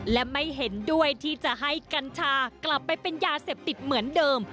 และไม่เห็นด้วยที่จะให้กัญชากลับไปเป็นยาเสพติดเหมือนเดิม